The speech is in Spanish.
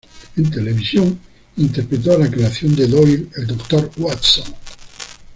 En televisión, interpretó a la creación de Doyle, el Dr. Watson.